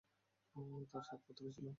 তার সাত পুত্র ছিল।